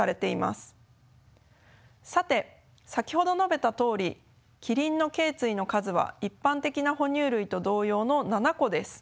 さて先ほど述べたとおりキリンのけい椎の数は一般的な哺乳類と同様の７個です。